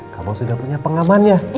kamu sudah punya pengamannya